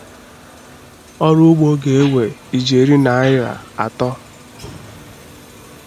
ọrụ ụgbo ga-ewe ijeri naịra atọ